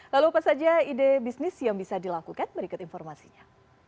lalu apa saja ide bisnis yang bisa dilakukan berikut informasinya